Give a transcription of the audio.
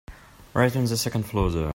Right on the second floor there.